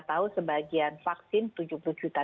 tahu sebagian vaksin tujuh puluh juta